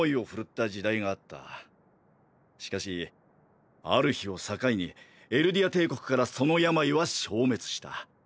しかしある日を境にエルディア帝国からその病は消滅した。